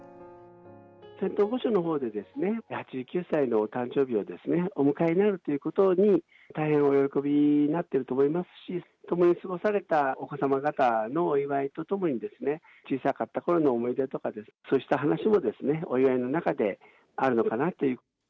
仙洞御所のほうでですね、８９歳のお誕生日をお迎えになるということに、大変お喜びになっていると思いますし、共に過ごされたお子さま方のお祝いとともにですね、小さかったころの思い出とか、そうした話も、お祝いの中であるのかなと。